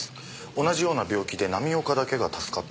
同じような病気で浪岡だけが助かったからですか？